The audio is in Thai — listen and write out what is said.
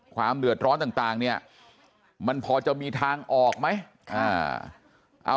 ความเดือดร้อนต่างเนี่ยมันพอจะมีทางออกไหม